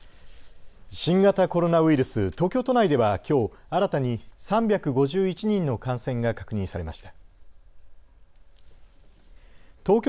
新型コロナウイルス、東京都内ではきょう新たに３５１人の感染が確認されました。